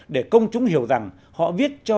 để công chúng hiểu rằng họ viết chân thực